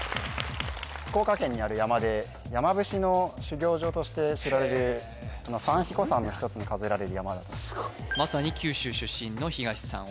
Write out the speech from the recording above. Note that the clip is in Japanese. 福岡県にある山で山伏の修行場として知られる三彦山の一つに数えられる山だとまさに九州出身の東さん